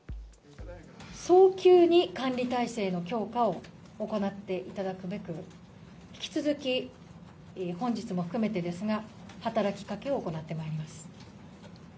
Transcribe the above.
早急に管理体制の強化を行っていただくべく、引き続き本日も含めてですが、働きかけを行ってまいります。